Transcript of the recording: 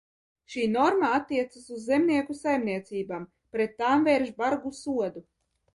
Šī norma attiecas uz zemnieku saimniecībām, pret tām vērš bargu sodu.